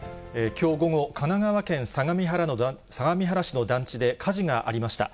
きょう午後、神奈川県相模原市の団地で火事がありました。